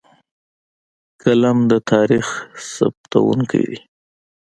قلم د تاریخ ثبتونکی دی.